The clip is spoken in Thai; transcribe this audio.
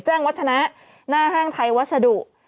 จ้างวัฒนาหน้าห้างไทยวัตสดุ